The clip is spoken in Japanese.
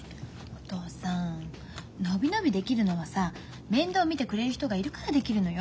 お父さん伸び伸びできるのはさ面倒を見てくれる人がいるからできるのよ。